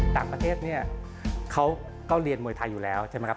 ต่างประเทศเนี่ยเขาก็เรียนมวยไทยอยู่แล้วใช่ไหมครับ